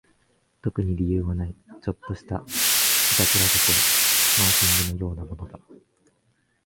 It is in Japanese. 特に理由はない、ちょっとした悪戯心、マーキングのようなものだ